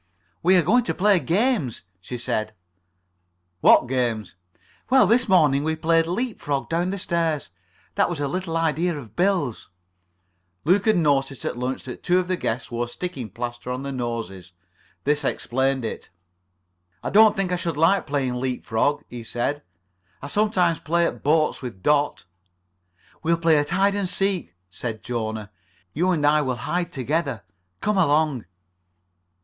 "We are going to play games," she said. "What games?" "Well, this morning we played leap frog down the stairs. That was a little idea of Bill's." Luke had noticed at lunch that two of the guests wore sticking plaster on their noses. This explained it. "I don't think I should like playing leap frog," he said. "I sometimes play at boats with Dot." "We'll play at hide and seek," said Jona. "You and I will hide together. Come along."